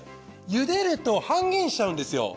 ゆでると半減しちゃうんですよ。